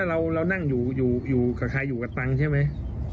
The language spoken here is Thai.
เพราะฉะนั้นเรานั่งอยู่กับใครอยู่กับตังค์ใช่ไหม